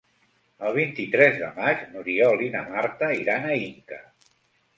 El vint-i-tres de maig n'Oriol i na Marta iran a Inca.